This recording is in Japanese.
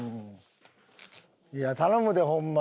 いや頼むでホンマ。